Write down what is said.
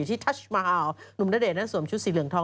อยู่ที่ทัชเมลหนุ่มณเดชน์นั่นสวมชุดสีเหลืองทอง